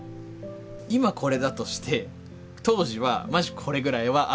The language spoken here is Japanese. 今これだとして当時はマジこれぐらいはあると思う。